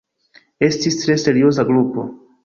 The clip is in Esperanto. Estis tre serioza grupo.